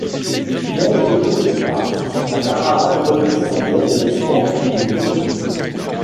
Mais deux jours plus tard, la caravane redescendait les pentes du Yukon.